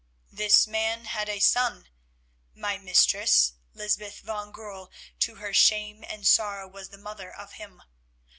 "This man had a son; my mistress, Lysbeth van Goorl, to her shame and sorrow, was the mother of him.